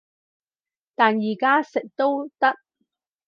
但而家食都得